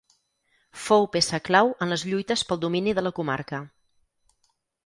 Fou peça clau en les lluites pel domini de la comarca.